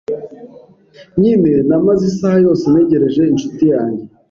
Njye namaze isaha yose ntegereje inshuti yanjye.